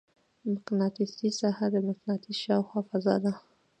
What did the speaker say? مقناطیسي ساحه د مقناطیس شاوخوا فضا ده.